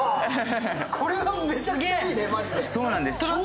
これはめちゃくちゃいいね、マジで。